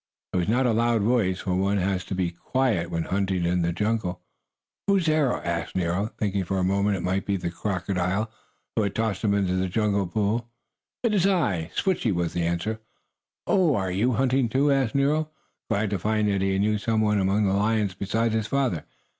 It was not a loud voice, for one has to be quiet when hunting in the jungle. "Who's there?" asked Nero, thinking for a moment it might be the crocodile who had tossed him into the jungle pool. "It is I Switchie," was the answer. "Oh, are you hunting, too?" asked Nero, glad to find that he knew some one among the lions besides his father.